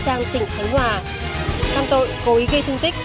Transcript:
căn tội cố ý gây thương tích